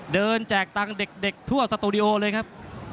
เดินจากตรงเด็กทั่วตัวสตูดิโอเลยครับ